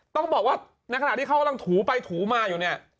ต้องบอกว่าในขณะที่เขากำลังถูไปถูมาอยู่เนี่ย